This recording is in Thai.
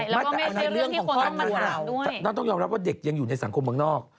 ใช่แล้วก็ไม่ใช่เรื่องที่คนต้องมาถามด้วยมันต้องยอมรับว่าเด็กยังอยู่ในสังคมบ้างนอก